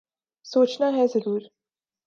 سوچنا ہے ضرور ۔